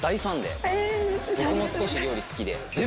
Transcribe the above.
僕も少し料理好きで。